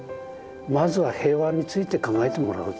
まずは平和について考えてもらうと。